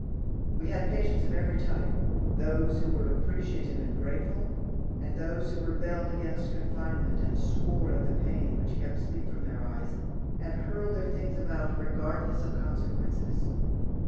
We had patients of every type, those who were appreciative and grateful, and those who rebelled against confinement, and swore at the pain which kept sleep from their eyes, and hurled their things about regardless of consequences.